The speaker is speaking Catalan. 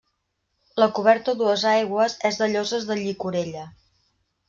La coberta a dues aigües és de lloses de llicorella.